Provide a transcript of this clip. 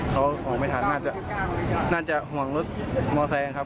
เขาออกไม่ทันน่าจะห่วงรถมอแซงครับ